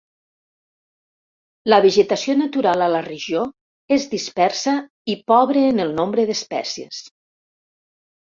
La vegetació natural a la regió és dispersa i pobre en el nombre d'espècies.